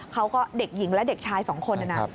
เขาก็เด็กหญิงและเด็กชายสองคนนะนะ